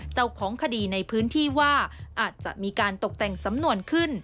เจ้าของคดีในพื้นที่ว่าอาจจะมีการตกแต่งสำนวนขึ้น